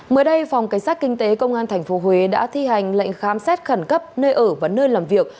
mới đây phòng cảnh sát kinh tế công an tp huế đã thi hành lệnh khám xét khẩn cấp nơi ở và nơi làm việc